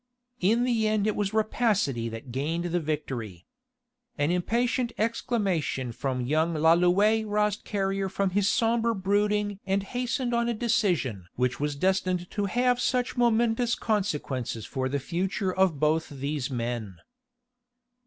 In the end it was rapacity that gained the victory. An impatient exclamation from young Lalouët roused Carrier from his sombre brooding and hastened on a decision which was destined to have such momentous consequences for the future of both these men.